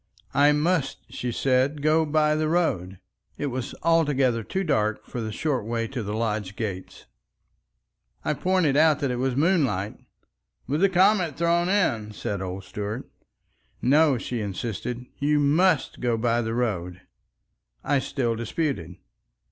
I must, she said, go by the road. It was altogether too dark for the short way to the lodge gates. I pointed out that it was moonlight. "With the comet thrown in," said old Stuart. "No," she insisted, "you must go by the road." I still disputed.